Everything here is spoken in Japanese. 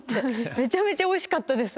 めちゃめちゃおいしかったです。